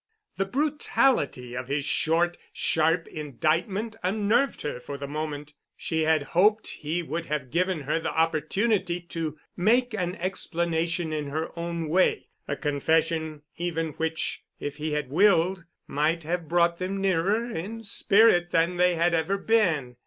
The brutality of his short, sharp indictment unnerved her for the moment. She had hoped he would have given her the opportunity to make an explanation in her own way, a confession even which, if he had willed, might have brought them nearer in spirit than they had ever been.